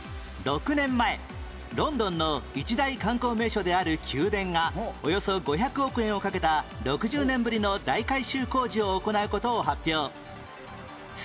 ６年前ロンドンの一大観光名所である宮殿がおよそ５００億円をかけた６０年ぶりの大改修工事を行う事を発表